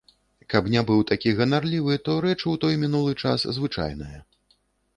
Каб не быў такі ганарлівы, то рэч у той мінулы час звычайная.